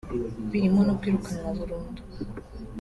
birimo no kwirukanwa burundu